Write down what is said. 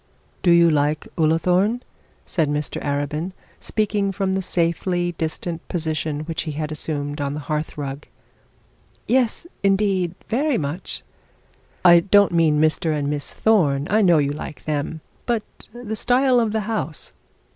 'Do you like Ullathorne?' said Mr Arabin, speaking from the safely distant position which he had assumed on the hearth rug. 'Yes, indeed, very much!' 'I don't mean Mr and Miss Thorne. I know you like them; but the style of the house.